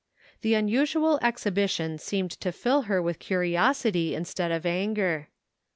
The unusual ex hibition seemed to fill her with curiosity instead of anger.